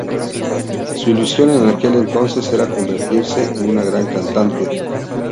Su ilusión en aquel entonces era convertirse en una gran cantante.